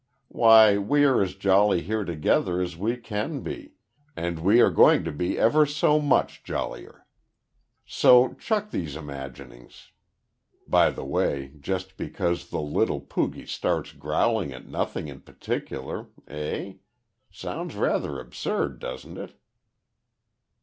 Why, we are as jolly here together as we can be, and we are going to be ever so much jollier. So chuck these imaginings by the way, just because the little poogie starts growling at nothing in particular. Eh? Sounds rather absurd doesn't it?"